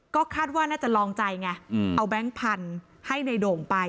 ก็คาดว่าน่าจะลองใจไงเอาแบงค์พันธุ์ให้ในโด่งไป